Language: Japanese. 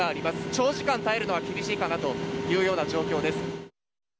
長時間耐えるのは厳しいかなというような状況です。